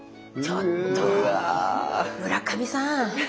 ちょっと村上さん！